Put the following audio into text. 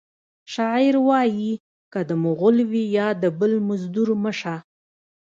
شاعر وایی که د مغل وي یا د بل مزدور مه شه